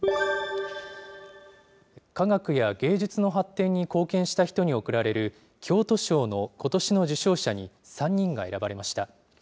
科学や芸術の発展に貢献した人に贈られる、京都賞のことしの受賞者に、３人が選ばれました。